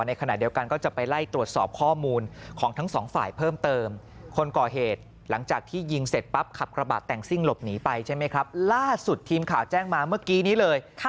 ในขณะเดียวกันก็จะไปไร่ตรวจสอบข้อมูล